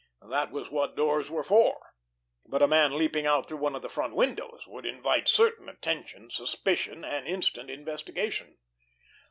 That was what doors were for! But a man leaping out through one of the front windows would invite certain attention, suspicion, and instant investigation.